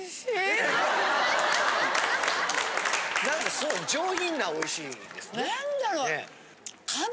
・なんかすごい上品なおいしいですね。